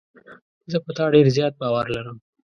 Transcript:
زه په تا ډېر زیات باور لرم.